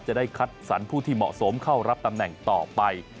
จะได้คัดสรรผู้ที่เหมาะสมเข้ารับตำแหน่งต่อไป